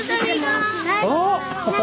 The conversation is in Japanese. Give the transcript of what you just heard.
あっ！